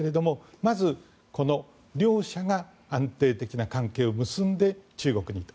まず、この両者が安定的な関係を結んで中国にと。